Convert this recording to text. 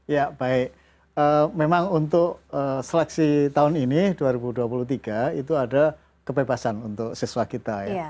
ya baik memang untuk seleksi tahun ini dua ribu dua puluh tiga itu ada kebebasan untuk siswa kita